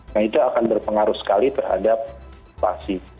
nah itu akan berpengaruh sekali terhadap inflasi